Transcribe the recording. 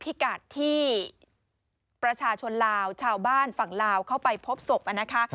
พิกัดที่ประชาชนลาวชาวบ้านฝั่งลาวเข้าไปพบศพนะคะ